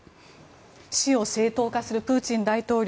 死を正当化するプーチン大統領。